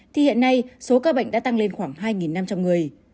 thì hiện nay số ca bệnh đã tăng lên khoảng hai năm trăm linh người